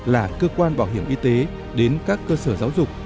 là cơ quan bảo hiểm y tế đến các cơ sở giáo dục